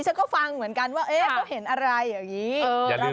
ฉันก็ฟังเหมือนกันว่าเขาเห็นอะไรอย่างนี้